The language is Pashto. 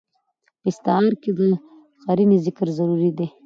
په استعاره کښي د قرينې ذکر ضروري دئ.